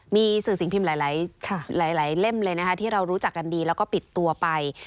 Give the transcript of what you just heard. มีสื่อสิ่งพิมพ์หลายเล่มเลยนะคะที่เรารู้จักกันดีแล้วก็ปิดตัวไป